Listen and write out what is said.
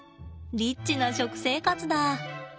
リッチな食生活だ。